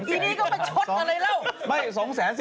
อีนี่ก็เป็นชดอะไรเร้า